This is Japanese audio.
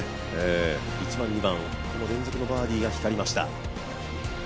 １番２番、連続のバーディーが光りました。